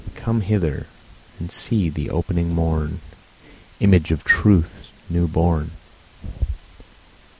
come hither And see the opening morn, Image of Truth new born.